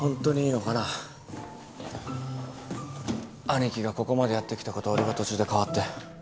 兄貴がここまでやってきたことを俺が途中で代わって。